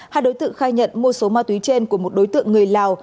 hai đối tượng khai nhận mua số ma túy trên của một đối tượng người lào